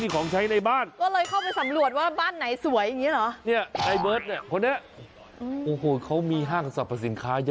คุณไปซื้อเขาสิครับ